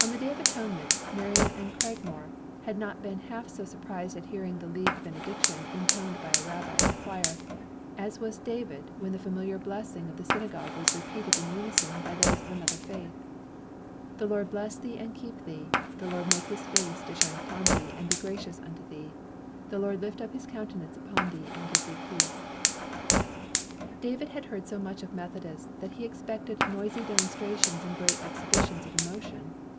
On the Day of Atonement Marion and Cragmore had not been half so surprised at hearing the League benediction intoned by rabbi and choir, as was David when the familiar blessing of the synagogue was repeated in unison by those of another faith: "The Lord bless thee and keep thee. The Lord make his face to shine upon thee, and be gracious unto thee. The Lord lift up his countenance upon thee, and give thee peace." David had heard so much of Methodists that he had expected noisy demonstrations and great exhibitions of emotion.